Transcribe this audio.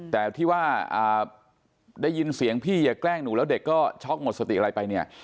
แต่ที่ว่าได้ยินเสียงพี่อย่าแกล้งหนูแล้วเด็กก็ช็อกหมดสติอะไรไปเนี่ย